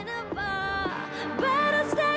agnes mo menurutnya